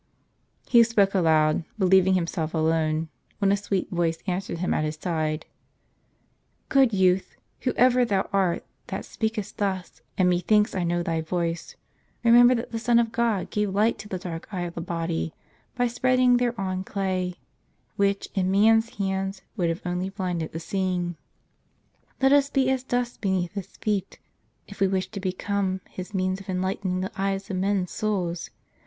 " He spoke aloud, believing himself alone, when a sweet voice answered him at his side: "Good youth, whoever thou art that speakest thus, and methinks I know thy voice, remem ber that the Son of God gave light to the dark eye of the body, by spreading thereon clay; which, in man's hands, would have only blinded the seeing. Let us be as dust beneath His feet, if we wish to become His means of enlightening the eyes of men's souls.